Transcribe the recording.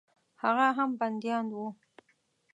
هغه هم بندیان وه.